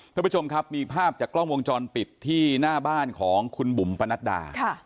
ท่านผู้ชมครับมีภาพจากกล้องวงจรปิดที่หน้าบ้านของคุณบุ๋มปนัดดา